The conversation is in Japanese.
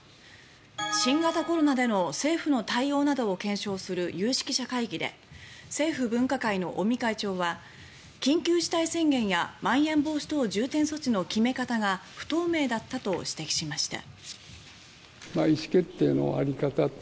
新型コロナでの政府の対応などを検証する有識者会議で政府分科会の尾身会長は緊急事態宣言やまん延防止等重点措置の決め方が不透明だったと指摘しました。